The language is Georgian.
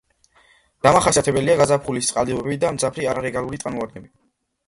დამახასიათებელია გაზაფხულის წყალდიდობები და მძაფრი არარეგულარული წყალმოვარდნები.